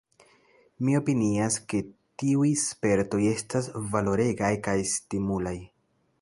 Mi opinias ke tiuj spertoj estas valoregaj kaj stimulaj.